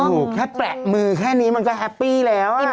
ถูกแค่แปะมือแค่นี้มันก็แฮปปี้แล้ว